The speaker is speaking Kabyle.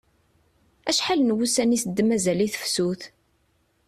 Acḥal n wussan i as-d-mazal i tefsut?